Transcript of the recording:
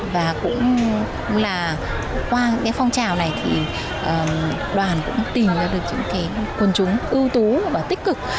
và cũng là qua những phong trào này đoàn cũng tìm ra được những quân chúng ưu tú và tích cực